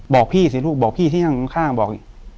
บอกพี่สิลูกบอกพี่ที่ข้างบอก